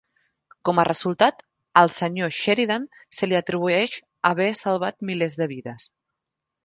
Com a resultat, al senyor Sheridan se li atribueix haver salvat milers de vides.